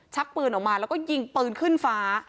ชักปืนออกมาแล้วก็ยิงปืนขึ้นฟ้า